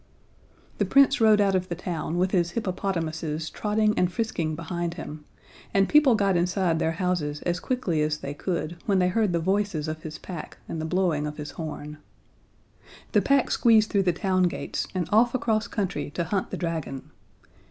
The Prince rode out of the town with his hippopotamuses trotting and frisking behind him, and people got inside their houses as quickly as they could when they heard the voices of his pack and the blowing of his horn. The pack squeezed through the town gates and off across country to hunt the dragon.